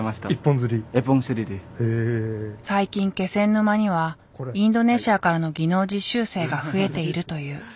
最近気仙沼にはインドネシアからの技能実習生が増えているという。